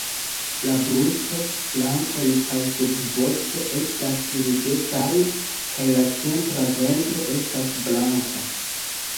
La brusto, flankoj kaj subvosto estas ruĝecaj, kaj la centra ventro estas blanka.